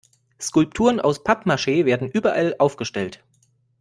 Skulpturen aus Pappmaschee werden überall aufgestellt.